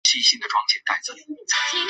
一切安顿完成